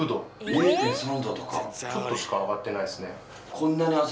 ０．３℃とかちょっとしか上がってないですね。